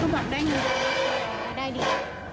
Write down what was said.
ก็แบบได้มือได้ดี